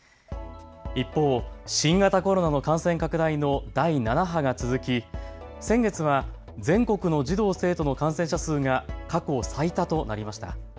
一方、新型コロナの感染拡大の第７波が続き、先月は全国の児童・生徒の感染者数が過去最多となりました。